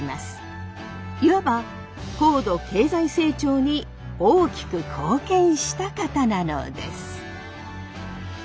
いわば高度経済成長に大きく貢献した方なのです。